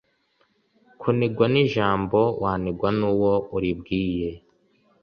kunigwa nijambo wanigwa nuwo uribwiye